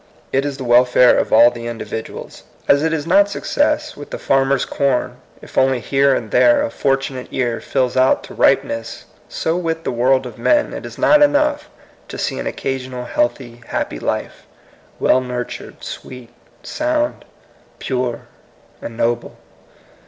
It is the welfare of all the individuals. As it is not 8HOHT CUTS TO 6VCCE88. 89 success with the farmer's corn if only here and there a fortunate ear fills out to ripe ness, so with t)ie world of men it is not enough to see an occasional healthy, happy life, well nurtured, sweet, sound, pure, and noble.